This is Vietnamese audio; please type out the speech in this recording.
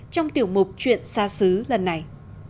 trong tiểu mục chuyện xa xứ lần này